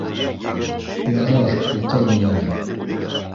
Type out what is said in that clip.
Ярар, уҡырмын әле